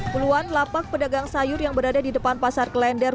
puluhan lapak pedagang sayur yang berada di depan pasar klender